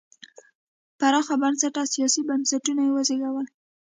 پراخ بنسټه سیاسي بنسټونه یې وزېږول.